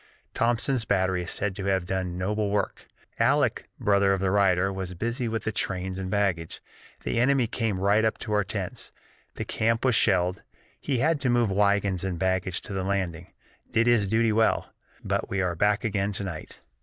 Thomson's Battery is said to have done noble work. Aleck [brother of the writer] was busy with the trains and baggage the enemy came right up to our tents the camp was shelled; he had to move wagons and baggage to the landing. Did his duty well. But we are back again to night.